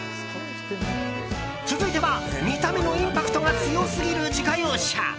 続いては、見た目のインパクトが強すぎる自家用車。